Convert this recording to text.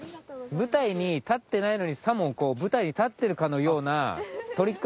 舞台に立ってないのにさもこう舞台に立ってるかのようなトリック